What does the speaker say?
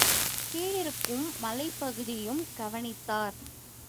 கீழிருக்கும் மலைப்பகுதியையும் கவனித்தார்.